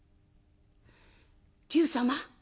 「龍様